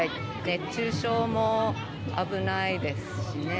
熱中症も危ないですしね。